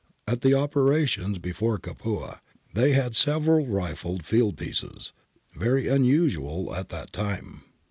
At the operations before Capua they had several rifled field pieces, very unusual at that time.